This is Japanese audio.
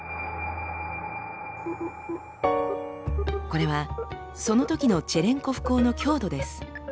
これはそのときのチェレンコフ光の強度です。